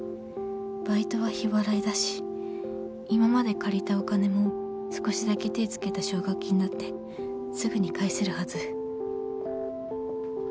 バイトは日払いだし今まで借りたお金も少しだけ手付けた奨学金だって萌ちゃん！